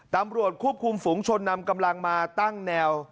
ตำรวจควบคุมฝูงชนนำกำลังมาตั้งแนว